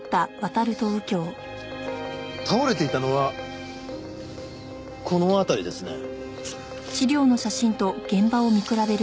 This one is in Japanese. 倒れていたのはこの辺りですね。